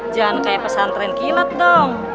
jangan kayak pesantren kilat dong